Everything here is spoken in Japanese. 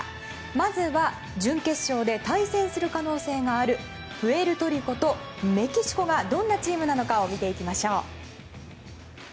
まずは、準決勝で対戦する可能性があるプエルトリコとメキシコがどんなチームなのかを見ていきましょう。